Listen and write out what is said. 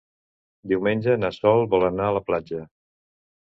Diumenge na Sol vol anar a la platja.